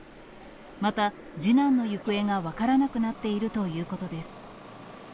また次男の行方が分からなくなっているということです。